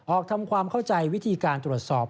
ทำความเข้าใจวิธีการตรวจสอบ